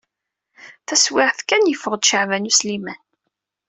Taswiɛt kan, yeffeɣ-d Caɛban U Sliman.